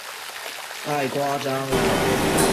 太誇張了！